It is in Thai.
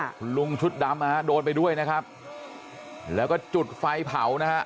คุณลุงชุดดำนะฮะโดนไปด้วยนะครับแล้วก็จุดไฟเผานะฮะ